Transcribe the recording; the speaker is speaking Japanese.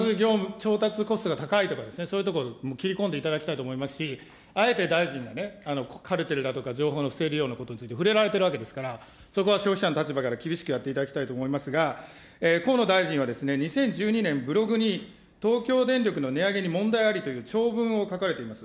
調達コストが高いとか、そういうところに切り込んでいただきたいと思いますし、あえて大臣がね、カルテルだとか、情報の不正利用のことについて触れられてるわけですから、そこは消費者の立場から厳しくやっていただきたいと思いますが、河野大臣は２０１２年のブログに、東京電力の値上げに問題ありという長文を書かれています。